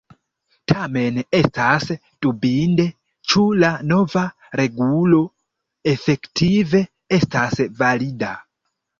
Tamen estas dubinde, ĉu la nova regulo efektive estas valida.